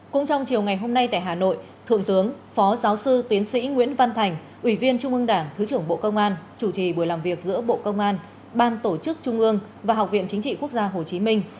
cũng trong chiều ngày hôm nay tại hà nội thượng tướng phó giáo sư tiến sĩ nguyễn văn thành ủy viên trung ương đảng thứ trưởng bộ công an chủ trì buổi làm việc giữa bộ công an ban tổ chức trung ương và học viện chính trị quốc gia hồ chí minh